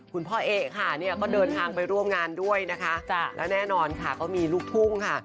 พ่อเอ๊ค่ะเนี่ยก็เดินทางไปร่วมงานด้วยนะคะและแน่นอนค่ะก็มีลูกทุ่งค่ะ